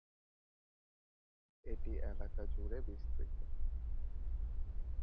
এটি এলাকাজুড়ে বিস্তৃত।